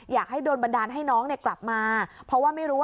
อยากให้โดนบันดาลให้น้องเนี่ยกลับมาเพราะว่าไม่รู้ว่า